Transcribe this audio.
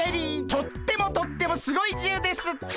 とってもとってもすごいじゅうです！